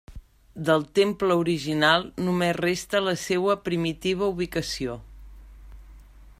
Del temple original només resta la seua primitiva ubicació.